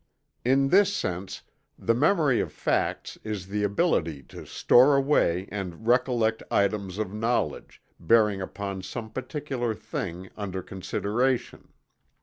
In this sense the Memory of Facts is the ability to store away and recollect items of knowledge bearing upon some particular thing under consideration.